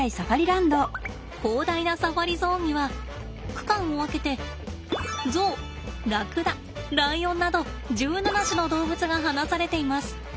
広大なサファリゾーンには区間を分けてゾウラクダライオンなど１７種の動物が放されています。